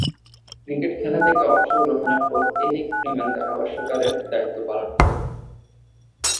Cricket খেলা থেকে অবসর গ্রহণের পর এরিক ফ্রিম্যান ধারাভাষ্যকারের দায়িত্ব পালন করেছেন।